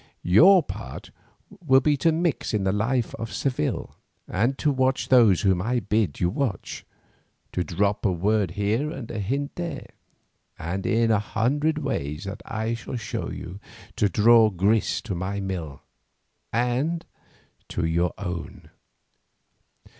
Your part will be to mix in the life of Seville, and to watch those whom I bid you watch, to drop a word here and a hint there, and in a hundred ways that I shall show you to draw grist to my mill—and to your own.